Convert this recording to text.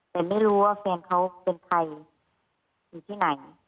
แต่ไม่รู้ว่าแฟนเขาเป็นใครอยู่ที่ไหน